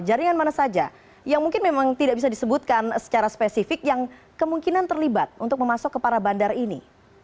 jaringan mana saja yang mungkin memang tidak bisa disebutkan secara spesifik yang kemungkinan terlibat untuk memasuk ke para bandar ini